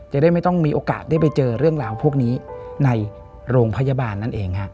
จะได้ไม่ต้องมีโอกาสได้ไปเจอเรื่องราวพวกนี้ในโรงพยาบาลนั่นเองฮะ